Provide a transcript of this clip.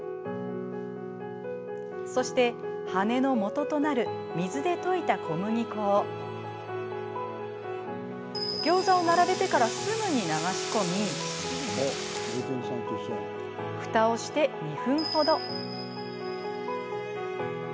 そして、羽根のもととなる水で溶いた小麦粉をギョーザを並べてからすぐに流し込みふたをして２分ほど。